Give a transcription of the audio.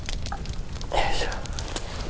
よいしょ。